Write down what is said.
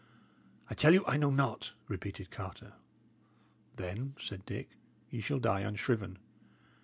"I tell you I know not," repeated Carter. "Then," said Dick, "ye shall die unshriven.